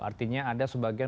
artinya ada sebagian